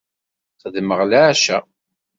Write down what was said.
Xedmeɣ leɛca.